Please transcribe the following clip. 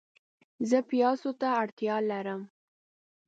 زه پیازو ته اړتیا لرم